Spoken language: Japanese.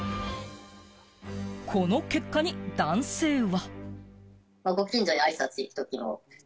この結果に男性は。